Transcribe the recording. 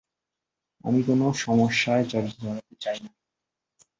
আমি কোনো সমস্যায় জড়াতে চাই না।